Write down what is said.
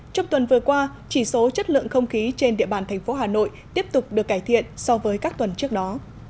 trong tuần vừa qua chỉ số chất lượng không khí trên địa bàn thành phố hà nội tiếp tục được cải thiện so với các tuần trước đó